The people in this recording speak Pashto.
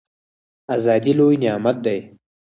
ازادي لوی نعمت دی